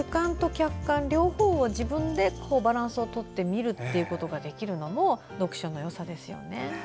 主観と客観両方を自分でバランスをとって見ることができるのも読書のよさですね。